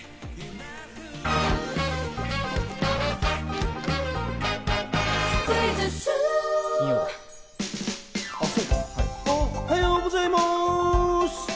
おっはようございます。